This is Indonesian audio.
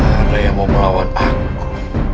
ada yang mau melawan aku